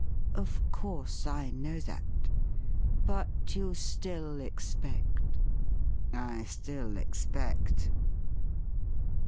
' Of course, I know that. But you still expect ?'' I still expect.'